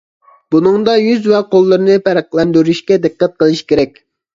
بۇنىڭدا يۈز ۋە قوللىرىنى پەرقلەندۈرۈشكە دىققەت قىلىش كېرەك.